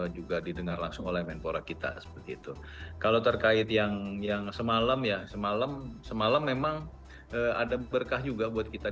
juga didengar langsung oleh menpora kampoja